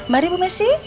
mari ibu mesih